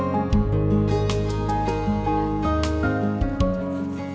pertama kali ya